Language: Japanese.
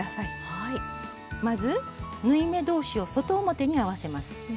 まず縫い目同士を外表に合わせます。